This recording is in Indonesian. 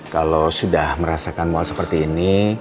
kalau sudah merasakan mual seperti ini